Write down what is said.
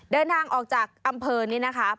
เดินทางออกจากอำเภอนี่นะคะ